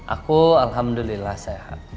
aku alhamdulillah sehat